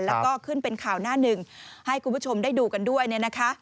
แล้วก็ขึ้นเป็นข่าวหน้าหนึ่งให้คุณผู้ชมได้ดูกันด้วยเนี่ยนะคะ